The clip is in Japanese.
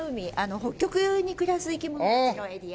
北極に暮らす生き物たちのエリア。